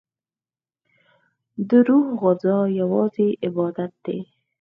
دروح غذا یوازی عبادت دی